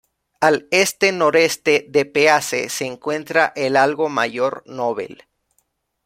Al este-noreste de Pease se encuentra el algo mayor Nobel.